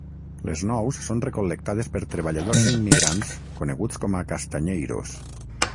Les nous són recol·lectades per treballadors immigrants coneguts com a castanheiros.